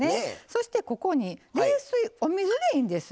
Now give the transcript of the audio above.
そして、ここに冷水お水でいいんです。